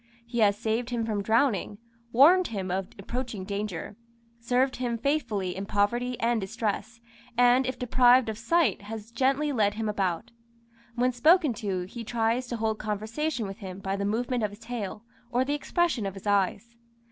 He has saved him from drowning, warned him of approaching danger, served him faithfully in poverty and distress, and if deprived of sight has gently led him about. When spoken to, he tries to hold conversation with him by the movement of his tail or the expression of his eyes.